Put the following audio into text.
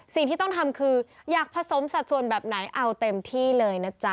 สิ่งที่ต้องทำคืออยากผสมสัดส่วนแบบไหนเอาเต็มที่เลยนะจ๊ะ